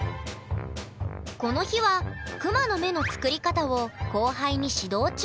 この日はクマの目の作り方を後輩に指導中。